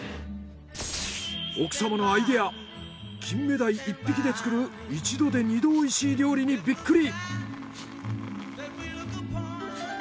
奥様のアイデアキンメダイ１匹で作る一度で二度おいしい料理にビックリ。